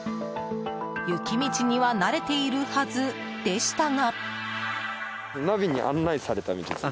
雪道には慣れているはずでしたが。